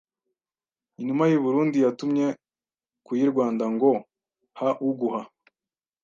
Inuma y'i Burundi yatumye ku yiRwanda ngo ha uguha